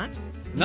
何？